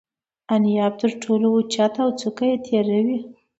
انیاب تر ټولو اوچت او څوکه یې تیره وي.